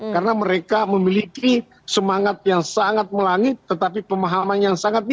karena mereka memiliki semangat yang sangat melangit tetapi pemahaman yang sangat nihil